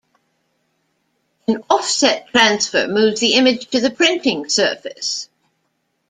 An offset transfer moves the image to the printing surface.